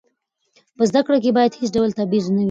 په زده کړه کې باید هېڅ ډول تبعیض نه وي.